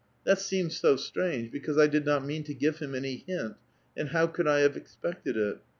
That seemed so strange, because I did not mean to give him any hint; and how could I have expected it?